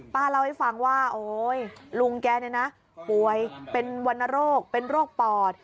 ป้าเล่าให้ฟังว่าโอ๊ยลุงแกเนี่ยนะป่วยเป็นวรรณโรคเป็นโรคปอด